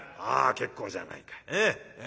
あ結構じゃないか。え？